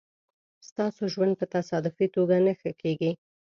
ستاسو ژوند په تصادفي توگه نه ښه کېږي